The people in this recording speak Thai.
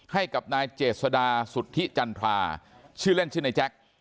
ให้กับนายเจษดาสุทธิจันทราชื่อเล่นชื่อนายแจ็ค